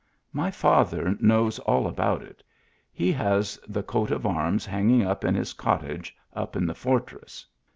My father knows all about it. He has the coat of arms hanging up in his cot tage, up in the fortress."